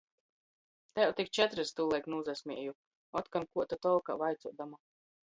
Tev tik četrys! tūlaik nūsasmieju, otkon kuo ta tolkā vaicuodama.